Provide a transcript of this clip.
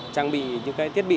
trang bị những cái thiết bị